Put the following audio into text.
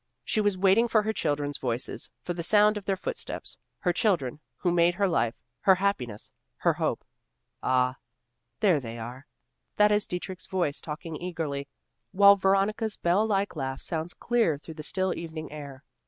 She was waiting for her children's voices, for the sound of their footsteps; her children, who made her life, her happiness, her hope! Ah! there they are! that is Dietrich's voice talking eagerly, while Veronica's bell like laugh sounds clear through the still evening air.